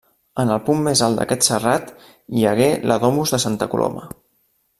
En el punt més alt d'aquest serrat hi hagué la Domus de Santa Coloma.